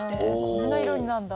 こんな色になるんだ。